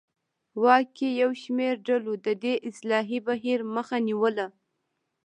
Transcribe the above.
واک کې یو شمېر ډلو د دې اصلاحي بهیر مخه نیوله.